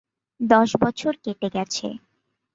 দশ বছর কেটে গেছে।